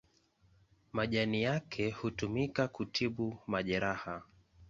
Majani yake hutumika kutibu majeraha.